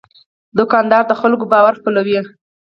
دوکاندار د خلکو باور خپلوي.